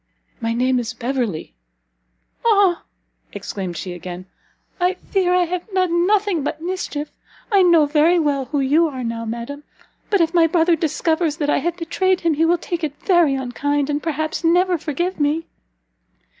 "My name is Beverley." "Ah!" exclaimed she again, "I fear I have done nothing but mischief! I know very well who you are now, madam, but if my brother discovers that I have betrayed him, he will take it very unkind, and perhaps never forgive me."